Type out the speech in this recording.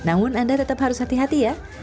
namun anda tetap harus hati hati ya